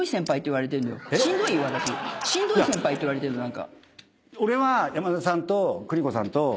しんどい先輩って言われてるの何か。